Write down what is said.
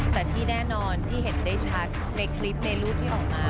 แต่ที่แน่นอนที่เห็นได้ชัดในคลิปในรูปที่ออกมา